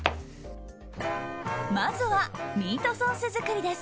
まずはミートソース作りです。